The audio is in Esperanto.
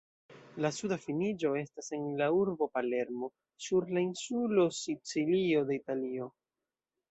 La suda finiĝo estas en la urbo Palermo sur la insulo Sicilio de Italio.